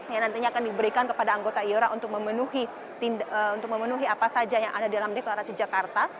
yang nantinya akan diberikan kepada anggota iora untuk memenuhi apa saja yang ada dalam deklarasi jakarta